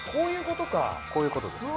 こういうことか。